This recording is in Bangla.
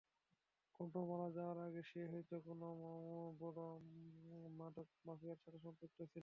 কর্ণ মারা যাওয়ার আগে সে হয়তো কোনো বড়ো মাদক মাফিয়ার সাথে সম্পৃক্ত ছিল।